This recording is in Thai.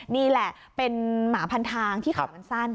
นี่แหละเป็นหมาพันทางที่ขามันสั้น